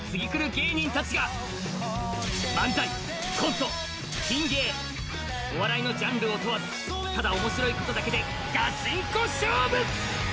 芸人たちが漫才、コント、ピン芸お笑いのジャンルを問わずただ面白いことだけでガチンコ勝負。